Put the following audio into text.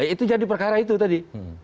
itu jadi perkara itu tadi